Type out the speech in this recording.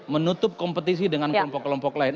menutup kompetisi dengan kelompok kelompok lain